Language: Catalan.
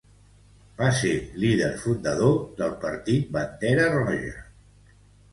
Va ser líder fundador del partit Bandera Roja.